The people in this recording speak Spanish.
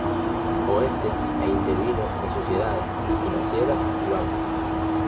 Oeste e intervino en sociedades financieras y bancos.